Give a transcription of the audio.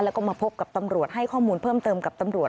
แล้วก็มาพบกับตำรวจให้ข้อมูลเพิ่มเติมกับตำรวจ